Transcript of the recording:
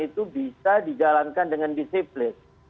itu bisa dijalankan dengan disiplin